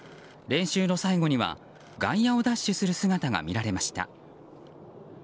練習の最後には外野をダッシュする姿が見られました。